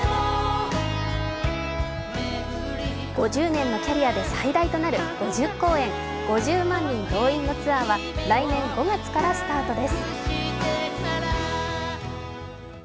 ５０年のキャリアで最大となる５０公演５０万人動員のツアーは来年５月からスタートです。